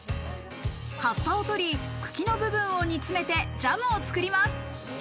葉っぱを取り、茎の部分を煮詰めてジャムを作ります。